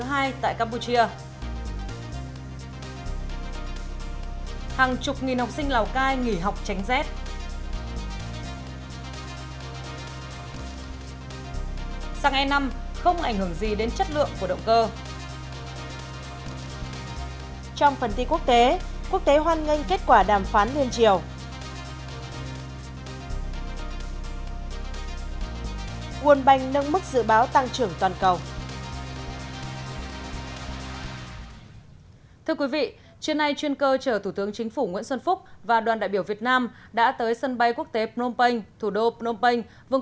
hãy đăng ký kênh để ủng hộ kênh của chúng mình nhé